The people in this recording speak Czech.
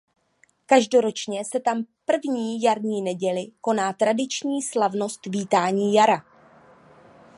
Každoročně se tam první jarní neděli koná tradiční slavnost vítání jara.